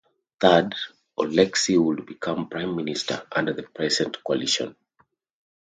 Third: Oleksy would become Prime Minister under the present coalition.